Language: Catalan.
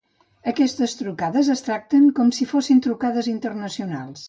Aquestes trucades es tracten com si fossin trucades internacionals.